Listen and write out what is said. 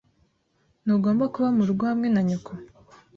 Ntugomba kuba murugo hamwe na nyoko?